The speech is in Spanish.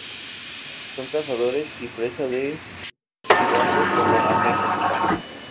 Son cazadores y presa de bivalvos como almejas.